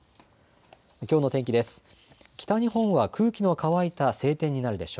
きょうの天気です。